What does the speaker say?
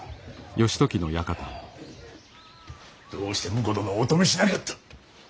どうして婿殿をお止めしなかった。